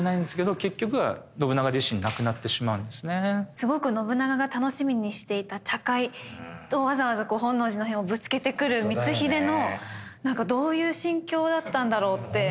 すごく信長が楽しみにしていた茶会とわざわざ本能寺の変をぶつけてくる光秀のなんかどういう心境だったんだろうって。